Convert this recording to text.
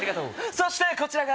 そしてこちらが。